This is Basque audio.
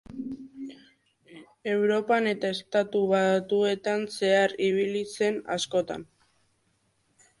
Europan eta Estatu Batuetan zehar ibili zen askotan.